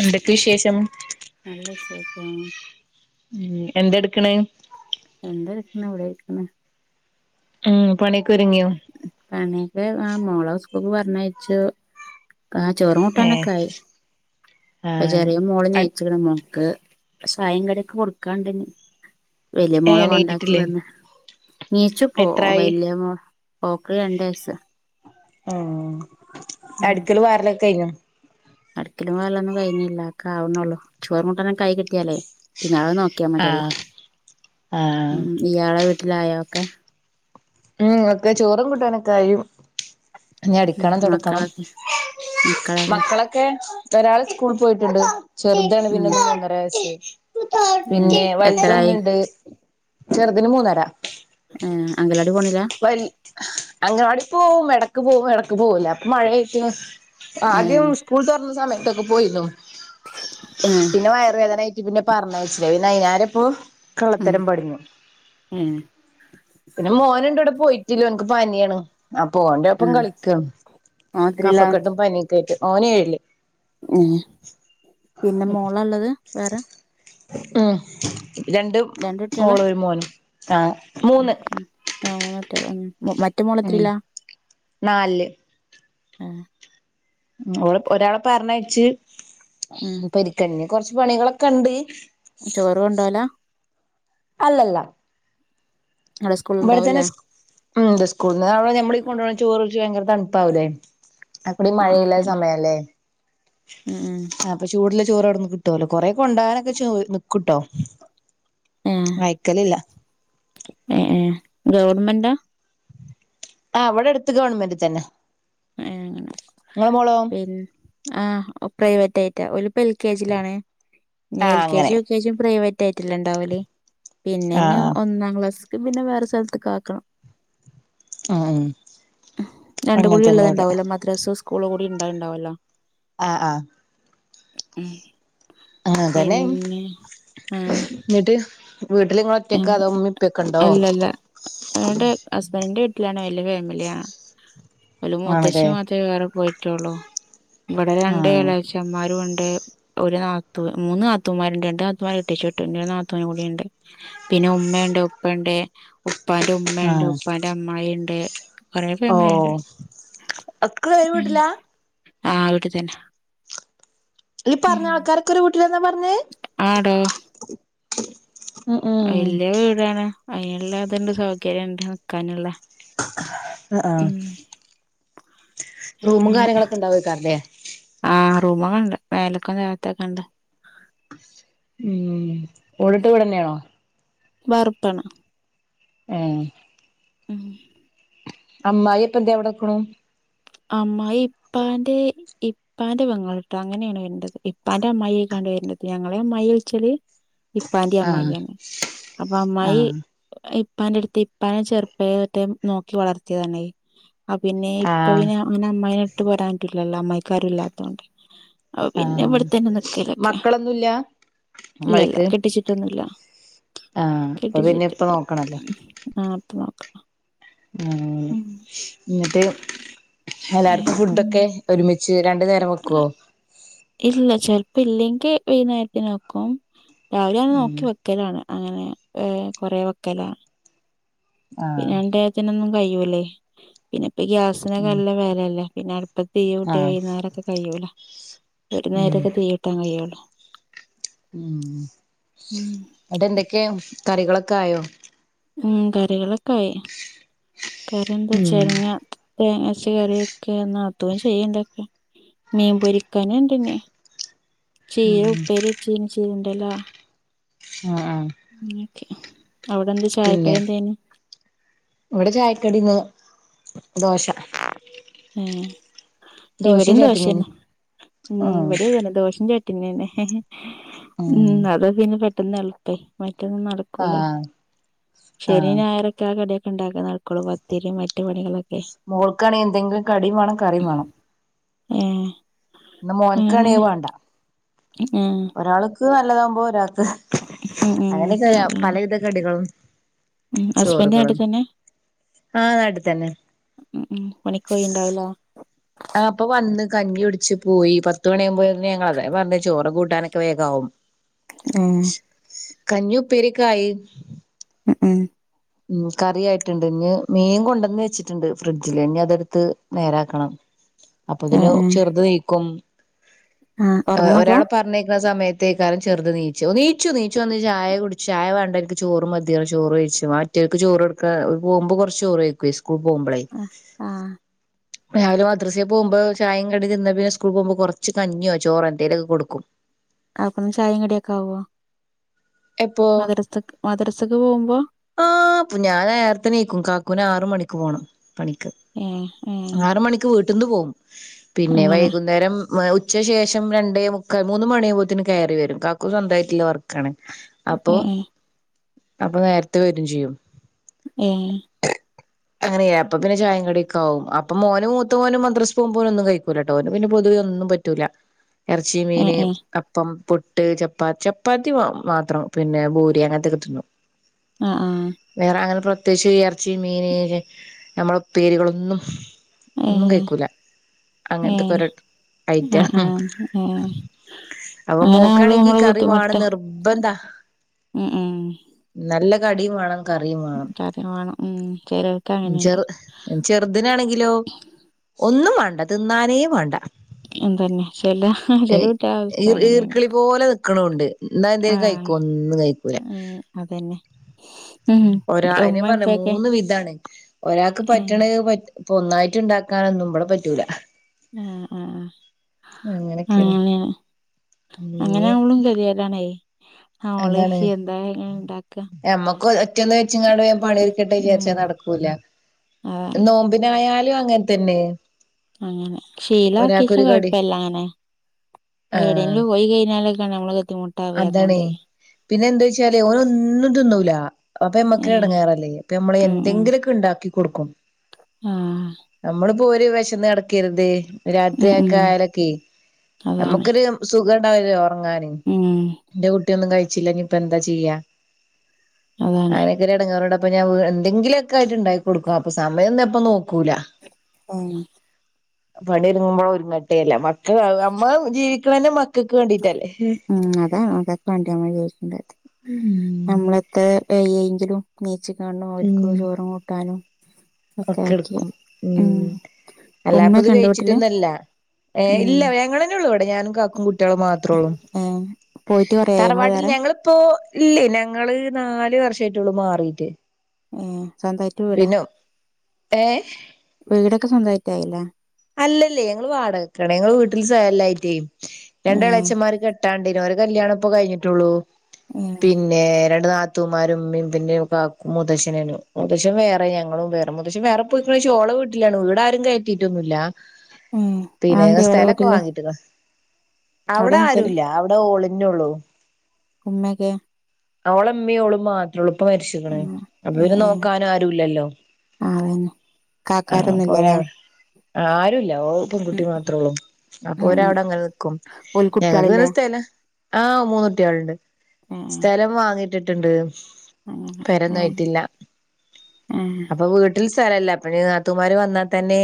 എന്തൊക്കെ വിശേഷം നല്ല വിശേഷം മ് എന്ത് എടുക്കണ? ഇവിടൊയിരിക്കുന്ന ഉം പണിയെക്കെ ഒരുങ്ങിയോ പണിയൊക്കെ ആ മോളെ സൂകൂളിൽ പറഞ്ഞയച്ചു. ആ ചോറും ഏ കൂട്ടാനൊക്കായി. ആ അപ്പൊ ചെറിയ മോള് എണീച്ചിക്കിണ് മോക്ക് ചായം കടിയും ഒക്കെ കൊടുക്കാണ്ട് ഏ വലിയമോള കൊണ്ടാക്കി എണീറ്റിട്ടില്ലേ വന്ന്. നീച്ചു പോ എത്രായി വല്യ മോക്ക് രണ്ടുവയസ് ആ അടുക്കൽ വാരലൊക്കെ കയ്ഞ്ഞോ അടിക്കലും വാരലും ഒന്നും കഴിഞ്ഞില്ല ഒക്കെ ആവുന്നുള്ളൂ ചോറും കൂട്ടാനും ആയി തന്നെ കൈ കിട്ടിയാലേ പിന്നെ ആ നോ നോക്കിയ ആ മതിയല്ലോ. ആ ഉം ഒക്കെ ചോറും കൂട്ടാനൊക്കെ ആയി ഇനി അടിക്കണം തുടക്കണം മക്കളൊക്കെ മക്കളൊക്കെ ഒരാൾ സ്കൂൾ പോയിട്ടുണ്ട് ചെറുതാണ് ഉം പിന്നെ ഒന്നു ഒന്നര വയസ് ഏ പിന്നെ എത്രായി വലുതൊന്നുണ്ട് ചെറുതിന് മൂന്നര ഏ അംഗലവാടി പോണില്ല വല്യയഅങ്ങനവാടി പോവും ഇടക്ക് പോവും ഇടക്ക് പോവൂല്ലപ്പൊ മഴയായിട്ട ഏ ആദ്യം സ്കൂൾ തുറന്ന സമയത്തൊക്കെ പോയിരുന്നു ഏ പിന്നെ വയറുവേദനായി പിന്നെ പറഞ്ഞയച്ചില്ല അതിനാരപ്പോ ഉം കളത്തരം പടിഞ്ഞു ഉം പിന്നെ മോനുണ്ട് പോയിട്ടില്ല ഓനിക്ക് പനിയാണ് അപ്പോ ഓന്റെ ഒപ്പം ആഹ് കളിക്കും മാത്രല്ല കഫക്കെട്ടും പനി ഒക്കെ ആയിട്ട് ഓന് ഏഴില് ഉം പിന്നെ മോള് ഉള്ളത് വേറെ ഉം രണ്ട് മോള് ഒരു മോന് ആ മൂന്ന് മറ്റ മോള് എത്രയിലാ നാല് ആ ഒരാളെ പറഞ്ഞഴച്ച് ഉം പ യിരകാഞ് കൊറച്ച് പണികളൊക്കെ ഉണ്ട് ചോറുണ്ടോല അല്ലല്ല അവിടെ സ്കൂള് ഇവിടെ തന്നെ ഉണ്ടാവൂല്ലേ സ്കൂളടെ നഞമ്മളീ കൊണ്ട പോകുന്ന ചോറ്ച്ച് ഭയങ്കര തണുപ്പാവൂല്ലേ അപ്പടി ആഹ് ആഹ് മഴയില്ല അതന്നെ സമയല്ലേ ഉം ഉം അപ്പം ചൂടു ചോറടന്ന് കിട്ടുവല്ലോ കൊറെ കൊണ്ടോകാനൊക്കെ ചോ നിക്കൂട്ടോ ഏഹ് അ ഴക്കലില്ല ഗവണ്മെന്റാ ആ അവിടെ എടുത്ത് ഗവൺമെന്റ് തന്നെ ങ്ങെ നിങ്ങളെ മോളോ പിന്ന ആ പ്രൈവറ്റ്യട്ട് യിപ്പ എൽ കെ ജി ലാണ് ഇനി ആ എൽ കെ അങ്ങനെ ജി യുകെ ജിയും പ്രൈവറ്റ് ആയിട്ടല്ല ഇണ്ടാവല് ആ പിന്നെന്ന ആ ഒന്നാം ക്ലാസ്ക്ക് പിന്നെ വേറെ സ്ഥലത്തക്ക് ആക്കണം ഉം അങ്ങന ഉള്ളത്ണ്ടാവല്ലോ മദ്രസ് സ്കൂള് കൂടി ഉണ്ടണ്ടാവല്ലോ ആഹ ആഹ ഉ തന്നെ പിന്നെ ആഹ എന്നിട്ട് വീട്ടില് നിങ്ങള് ഒറ്റക്കാ അതോ ഉമ്മേം ഉപ്പയൊക്കെ ഉണ്ടോ അല്ലല്ല അവടെ ഹസ്ബൻഡന്റെ ലാണ് വലിയ ഫാമിലിയാണ് ഒരുമൂ ആണല്ലേ ത്തശ്ശി മാത്രമേ വേറെ പോയിട്ടള്ളൂ ഇവിടെ ആ രണ്ട് ള്ളച്ചമാരും ഉണ്ട് ണ്ട്ഒരു നാത്ത മൂന്ന് നാത്തമാരുണ്ട് രണ്ട് നാത്തമാര് ഇട്ടിച്ചുട്ടുണ്ട് ഇനി രുനാത്തൂവിന് കൂടിയ ഉണ്ട് പിന്നെ ഉമ്മ ഉണ്ട് ഉപ്പ ഉണ്ട് ഉപ്പാന്റെ ആ ഉമ്മുണ്ട് ഉപ്പാന്റെ അമ്മായി ഉണ്ട് കൊറേ ഓ ഫാമിലി ണ്ട് ഒക്കെ ഒരു വീട്ടിലാ ആഹ അവിടെ തന്നെ ഈ ഉം പറഞ്ഞ ആൾക്കാരൊക്കെരു വീട്ടിലന്നാ പറഞ്ഞേ ഉം ഉം വല്ലിയ വീടാണ് അതിനുള്ള ത് ണ്ട് സൗഗരിണ്ട് നിക്കാനുള്ള ആ ആ ഉം റൂമും അങ്ങനെ കാര്യങ്ങളൊക്കെ ഇണ്ടാവൈകാരംലെ റൂമൊക്കണ്ട് മേലക്കും തായ ത്തൊക്കെ ഉണ്ട് ഉം ഓട് ട്ട് വിടന്നെയാണോ വാർപ്പാണ് ഉഹ ഉം അമ്മായി ഇപ്പഎന്താ അ വിടെക്കണു അമ്മയി ഇപ്പാന്റെ ഇപ്പാന്റെ പെങ്ങലട്ട അങ്ങനെയാണ് വരേണ്ടത് ഇപ്പാന്റെ അമ്മയെക്കാണ്ട് വരേണ്ടത് ഞങ്ങളെ അമ്മായി വിളിച്ചല് ഇപ്പാന്റെ ആഹ് അമ്മായിയാണ് അപ്പൊ അമ്മായി ആഹ് ഇപ്പാന്റെ അടുത്ത് ഇപ്പാനെ ചെറുപ്പ നോക്കി വളർത്തിയതാണ് പിന്നെ അപ്പൊ ആഹ് ഇനെ അങ്ങനെ അമ്മമായിനെ ഇട്ട് പോരായിട്ടില്ലല്ലോ അമ്മക്കാരും ഇല്ലാത്തൊണ്ട് ആ പിന്നെ ആഹ് ഇവിടെത്തന്നെ നിക്കലൊക്കെ മക്കളൊന്നുല്ല ഇല്ലല്ല അമ്മായിക്ക് കെട്ടിച്ചിട്ടൊന്നുമല്ല ആഹ് അപ്പൊ പിന്നെ കെട്ടിച്ചിട്ട ഇപ്പ നോക്കണല്ലോ ആഹ് അപ്പ നോക്ക ആഹ് എന്നിട്ട് ഏ എല്ലാവർക്കും ഉം ഫുഡൊക്കെ ഒരുമിച്ച് രണ്ടു നേരം വെക്കുവോ ഇല്ല ചെലപ്പ ഇല്ലെങ്കിൽ വൈകുന്നേരത്തിനോക്കും രാവിലെ ആണ് ഉം നോക്കി വെക്കലാണ് അങ്ങനെ ഏഹ് കൊറെ വെക്കലാണ് ആഹ് പിന്നെണ്ടതിനൊന്നും കഴുവൂല്ലേ പിന്നെ ഇപ്പ ഗ്യാസിനൊക്കെ ഉം നല്ല വിലല്ല പിന്നെ അടുപ്പ തീ കട്ടിയ ആഹ് വൈകുന്നേരൊക്കെ കഴിയൂല ഒരു നേേരമക്കെ തീ കട്ടാൻ കഴിയുള്ളൂ ഉ ഉം അട്ട് എന്തൊക്കെയ കറികളൊക്കെ ആയോ ഉം കറികളൊക്കെ ആയി കറി എന്താ ഉം വച്ചങ്ങ തേങ്ങച്ച കറിയൊക്കെ നാത്തൂൻ ചെയ്യണ്ടൊക്കെ മീൻ പൊരിക്കാന എണ്ടന്നെ ഉം ചീര ഉപ്പേരി വച്ച് ചെയ്തുണ്ടല്ല ആഹ് ആഹ് അവിടെന്ത് പിന്നെ ചായക്കടി എന്തേന് ഇവിടെ ചായക്കടിന്ന് ദോശ ആഹ് ദോശയും ഇവിടെയും ചട്നിയും ദോഷന്ന ഉ ആഹ് ഇവിടെ തന്നെ ദോഷം ചട് പിന്നന്നെ ഉം അതാ പിന്നെ പെട്ടെന്ന് എളുപ്പേ മ ട്ടെന്ന് നടക്കൂല ആഹ് ശനി ആഹ് ഞായറൊക്കെ ആ കടെ ഇണ്ടാക്കുന്ന ആൾക്കൊള്ളു പത്തിരിം മറ്റ് പണികള്. മോൾക്കാണെങ്കി എന്തെങ്കിലും കടിം വാണം കറിം വാണം. ഏഹ് ഇന്ന് മോൻക്കാണങ്കി വാണ്ട. ആഹ് ക്ക് നല്ലതാമ്പ ഒരാക്ക് ഉം അങ്ങനെക്കെയാ അതാണ് പലവിധ കടികൾ ഉം ഹസ്ബൻഡ് ആട്ടി തന്ന? ആഹ് നാട്ടിൽ തന്നെ ഉം ഉം പണിക്കോയിണ്ടാവല്ലേ? ആ അപ്പൊവന്ന് കഞ്ഞികുടിച്ച് പോയി പത്ത് മണിയാമ്പന്ന്‌ഞങ്ങളല്ലേ പർഞ്ഞ് ചോറ് കൂട്ടാനൊക്കെ വേഗാവും. ആഹ് കഞ്ഞിപ്പേരിക്കായി. [unintelligible] ഉം കറി ആയിട്ടൊണ്ട് ഞ്ഞ് മീൻ കൊണ്ടന്നെച്ചിട്ടുണ്ട് ഫ്രിഡ്ജില് ന്നിയതെടെത്ത് നേരാക്കണം. ഏ അപ്പൊതിന് ഏ ചെറുത് നീക്കും ആ ഒ ഉറങ്ങപ്പോ ഒരാള് പറഞ്ഞയിക്കണ സമേ ത്തേക്കാലം ചെറുതെനീച്ചു നീച്ചു നീച്ചു വന്ന് ചായ കുടി ചായ വാണ്ടനിക്ക് ചോറ് മതി പറഞ്ഞ് ചോറഴിച്ചു. ട്ടിയാൾക്ക് ചോറൊടുക്കാ ഓര് പോകുമ്പ കൊറച്ച് ചോറഴിക്കുവേ സ്കൂൾ പോമ്പളേ. ആ ആ രാവിലെ മദ്രസെ പോമ്പ ചായേം കടിം തിന്ന പിന്നെ സ്കൂൾ പോമ്പ കൊറച്ച് കഞ്ഞിയോ ചോറോ എന്തേലുക്കെ കൊടുക്കും. അപ്പേനും ചായേം കടിയൊക്കെ ആവോ മദരസ്ത മദരസ ആ പ്പ ഞാനേരത്തെനിക്കും കാക്കുനാറ് മണിക്ക് പോണം. പണിക്ക് ഏ ഏ ആറ് മണിക്ക് വീട്ട്ന്ന് പോവും പിന്നെ അങ്ങനെ വൈകുന്നേരം മ ഉ ച്ചശേഷം രണ്ടേമുക്കാ മൂന്ന് മണിയാവുമ്പത്തേന് കേറി വരും കാക്കു സ്വന്തായിട്ടില്ല വർക്കാണ്. അപ്പൊ ഏ ഏ അപ്പ നേരത്തെ വരും ചെയ്യും. ഏഹ് [unintelligible] അങ്ങനെയായപ്പ പിന്നെ ചായേം കടിക്കാവും അപ്പം മോന് മൂത്ത മോന് മദ്രസ് പോമ്പോഴൊന്നും കഴിക്കൂലട്ടോ ഓന് പിന്നെ പൊതുവെയൊന്നു പറ്റൂല എറച്ചി, ഏ മീന്, ഏ അപ്പം, പുട്ട്, ചപ്പാ ചപ്പാത്തി വാങ്ങും. മാത്രം പിന്നെ ഭൂരി അങ്ങനത്തക്കെ തിന്നും ആ ആ വേറെ അങ്ങനെ പ്രത്യേയിച്ച് എറ ച്ചി മീന് നമ്മളപ്പേരികളൊന്നും ഏ ഒന്നും കഴയിക്കൂല. ഏ അങ്ങനത്തൊക്കോരോ ആ ഐറ്റാ ആ ഏ അപ്പൊ അങ്ങനെ ആവുമ്പള് മോക്കാണെങ്കി നമ്മള് കറി വാണം ബുദ്ധിമുട്ടാ നിർ ബന്ധാ ഉം ഉം നല്ല കടിം വാണം കറിം വാണം. കറി വേണം ഉം ചെലോർക്ക് അങ്ങനെണ്ട് ചെറ് ചെറുതിനാണെങ്കിലോ ഒന്നും വാണ്ട തിന്നാനേ വാണ്ട. എന്തന്നെ ട്ടല്ല ചെലകുട്ട്യാളങ്ങനെത്തന്നെയാണ് ഈർക്കിളി പോലെ നിക്കണുണ്ട് എന്നാ ആ എന്തേലും കഴിക്കോ ഒന്നും ഉം അതന്നെ. ഉം ഒരാളിനേം ഉമ്മ പറഞ്ഞ ഉപ്പയൊക്കെ മൂന്ന് വിധാണ് ഒരാക്ക് ഏഹ് പറ്റണ പറ്റ് പ്പൊന്നായിറ്റിണ്ടാക്കാനൊന്നും ഇവടെ പറ്റൂല. ആ ആ അങ്ങനെക്കെണ്. അങ്ങനെയവളും കഴിയലാണേ. ആ ഓളെ എന്താ ഞാനിണ്ടാ ഞമ്മക്കു ഒറ്റയൊന്നു വെച്ചിങ്ങാണ്ട് വേഗം ഉം പണിതീർക്കട്ടെവിചാരിച്ച നടക്കൂല. അതാണ് നോമ്പിനായാലും അങ്ങൻതന്നെ അങ്ങനെ ശീലാക്കീച്ച കടി കൊഴപ്പല്ലങ്ങനെ. ആഹ് ഏടെലും പോയികഴിഞ്ഞാലക്കാണ് യമ്മള് അതാണേ ബുദ്ധിമുട്ടവയ്യാത്തോണ്ടേ. പിന്നെ എന്താ വെച്ചാല് ഓനൊന്നും തിന്നൂല. അപ്പൊ യമ്മക്ക് ഏഹ് എടങ്ങാറല്ലേ അപ്പ യമ്മള് എന്തെങ്കിലുമൊക്കെ ഉണ്ടാക്കി കൊടുക്കും ആ ഇപ്പ ഓര് വിശന്ന് കിടക്കരുത് രാത്രി ഉം ഉം ആക്കാലൊക്കെ അതാണ് നമുക്കൊരു സുഖ- വില്ലല്ലോ ഉറങ്ങാന് ഉം എന്റെ കുട്ടിയൊന്നും കഴിച്ചില്ലനി ഇപ്പ എന്താ ചെയ്യാ അതാണ് ഭയങ്കര ഇടങ്ങേറ - അപ്പൊ ഞാൻ എന്തെങ്കിലുമൊക്കെ അയിന് ഉണ്ടാക്കി കൊടുക്കും അപ്പൊ സമയം ഒന്നുംപ്പൊ നോക്കൂല ആ പണിയൊരുങ്ങുമ്പോൾ ഒരുങ്ങട്ടേല്ലേ മക്കൾ നമ്മള് ജീവിക്കണനെ മക്- ഉം അതെ [unintelligible] [unintelligible] ഉം നമ്മളെത്ര വയ്യങ്കിലും ജ്ജ് കാണുനോർക്ക് ഉം ചോറും കൂട്ടാനും ഒക്കെ എടുക്കും ഉം അല്ലാപ്പ ഇത് ഉമ്മയൊക്കെ ഉണ്ടോ വീട്ടില് വേയിച്ചിട്ടൊന്നല്ല ഏ ഉം ഇല്ല ഞങ്ങനെ ഉള്ളൂ അവിടെ ഞാനും കാക്കും കുട്ടി കുട്ടികൾ മാത്രേള്ളൂ ഏ പോയിട്ട് കൊറേയായോ ഇങ്ങള് തറവാട്ടിൽ വേറെ ഞങ്ങളിപ്പോ ഇല്ല ഞങ്ങള് നാലു വർഷമായിട്ടള്ളൂ മാറീട്ട് ഏ സ്വന്തമായിട്ട് വീടാ ഏ വീടൊക്കെ സ്വന്തമായിട്ടായില്ലേ അല്ലല്ലേ ഞങ്ങൾ വാടകക്കണ്. ഞങ്ങള് വീട്ടിൽ സഥലയില്ലായിറ്റ്. ഏ രണ്ട് ഇളച്ചന്മാർ ക - ട്ടാണ്ടിന ഒരു കല്യാണം. പ്പ കഴിഞ്ഞിട്ടുള്ളൂ ഏ പിന്നെ രണ്ട് നാ- [unintelligible] ത്തുമാരും പിന്നെ മൂത്തച്ചൻ മൂത്തച്ചൻ വേറെ ഞങ്ങളും വേറെ മൂത്തച്ചൻവേറെ പോയിക്കണ - ഓള [unintelligible] വീട്ടിലാണ് വീടാരും കയറ്റീട്ടൊന്നുംല്ല ഏ പിന്നെ അതെന്തേ അവിടെ സ്ഥലൊക്കെ വീട്ടില് വാങ്ങീട്ട്ക്ക്ണ് അവിടെ ആരു ഉമ്മക്കെ അവളമ്മിം ഓള് മാത്രേ ഉള്ളു ഇപ്പ മരിച്ചിക്ക്ണ്. ഉം അപ്പൊ ഏ പിന്നെ ഏ നോക്കാനും ആരുല്ലല്ലോ? ആഹ് അപ്പൊ ഒരാള് ആ ആരുല്ല ഓ ഉം പെൺകുട്ടി മാത്രമേ ഉള്ളൂ. അപ്പൊ ഉം അങ്ങനെ ഒരവിടെ അങ്ങനെനിക്കും ഓൽക്ക് ഞങ്ങക്ക് ഇങ്ങനെ കുട്ട്യാളില്ലേ സ്ഥല - ആ മൂന്നുട്ടികളുണ്ട്. ഏ സ്ഥലം വാങ്ങിട്ടിട്ടുണ്ട്. അങ്ങനെ പൊരയൊന്നു ഏ ആയിട്ടില്ല. ഏ അപ്പൊ വീട്ടിൽ - [unintelligible] പിന്നെ നത്തുമാർ വന്നാൽ തന്നെ.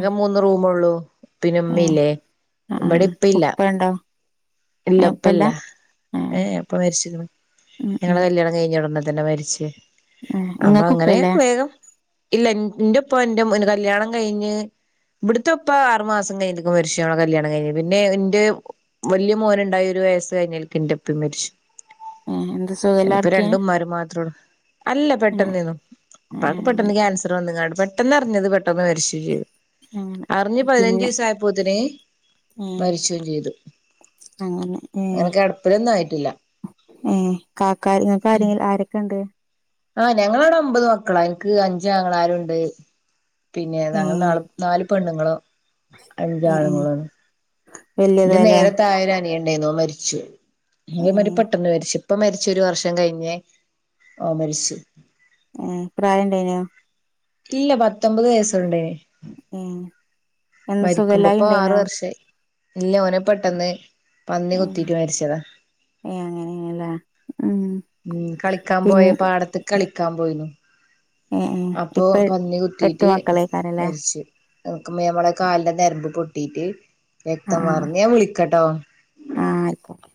ഉം പിന്നെ ഏ ഇമ്മില്ലേ? ആ ഉപ്പണ്ടോ ഇല്ല ഇപ്പല്ല ഏഹ് ഏ ഇപ്പ മരിച്ചിരിക്ക്ണ്. ഉം ഉം ന്നെ മരിച്ച് ഏഹ് അപ്പൊ ഇങ്ങക്ക് അങ്ങനെ ഉപ്പല്ലേ വേഗം ഇല്ല ൻ എന്റെപ്പ എന്റെ [unintelligible] കല്യാണം കഴിഞ്ഞ്. ഇവിടത്തെ ഉപ്പ ആറുമാസം കഴിഞ്ഞ ക്ക് മരിക്ക്ണ് കല്യാണകഴിഞ്ഞ് പിന്നെ എന്റെ വലിയ മോൻ ഉണ്ടായിഒരു - വയസ് കഴിഞ്ഞൽ കിന്റെപ്പി മരിച്ചു ഏഹ് എന്ത് ഇനിപ്പ സുഖല്ലാർക്കെ രണ്ട ഉമമാര് മാത്രേള്ളൂ അല്ല ഏഹ് പെട്ടെന്നയിന്നു ഏഹ് ഉപ്പാക്ക് അങ്ങനെ പെട്ടെന്ന് ക്യാൻസർ വന്നക്കാണ്ട് പെട്ടെന്ന് അറിഞ്ഞത് പെട്ടന്ന് മരിച്ചും ചെയ്തു അങ്ങനെ അറിഞ്ഞു പതിനഞ്ച് പിന്നെ ദിവസം ആയപ്പോത്തിന് ഏഹ് മരിച്ചുകയും ചെയ്തു അങ്ങനെ അങ്ങനെ കിടപ്പിലൊന്നും ആയിട്ടില്ല ഏ കാക്കാര് ഇങ്ങൊക്കെആരൊക്കെ ആരൊക്കെുണ്ട് ആ ഞങ്ങളവിടെ ഒമ്പത് മക്കളാ എനിക്ക് അഞ്ച് ആങ്ങളാരുണ്ട് പിന്നെ ഞങ്ങള്, ഏഹ് നാ, നാല്, പെണ്ണുങ്ങളോ അഞ്ച ഏഹ് ആൺ ഏഹ് ങ്ങളാണ് എന്റെ വല്യതാല്ലേ നേര തായേ അനിയണ്ടന്നോ മരിച്ചു അമാതി ഏഹ് പെട്ടെന്ന് മരിച്ചു ഇപ്പ മരിച്ച ഒരു വർഷം കഴിഞ്ഞേ ഓ മരിച്ചു ഏ പ്രായം ണ്ടേനോ ഇല്ല പത്തൊമ്പത് വയസ്സണ്ടേ ഏഹ് എന്ന് സുഖല്ലായി മരിക്കുമ്പപ്പോ ആറ ഇണ്ടേനോ വർഷമായി ഇല്ല ഓനെ പെട്ടെന്ന് പന്നി കുത്തി ഏഹ് ട്ട് മരിച്ചതാ ഏഹ് അങ്ങനെയാണല്ലേ ഉം ഉ കളിക്കാൻ പോയ പിന്നെ പാടത്ത് കളിക്കാൻ പോയിന്നു ആ അപ്പൊ ആ പന്നി കുത്തിയിട്ട് മരിച്ച് നമ്മളെ കാലിന്റെ നരമ്പ് പൊട്ടിട്ട് രക്തംവാർന്ന് ഞാൻ വിളിക്കട്ടോ ആ ആയിക്കോട്ടെ